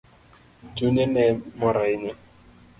Chunye ne mor ahinya.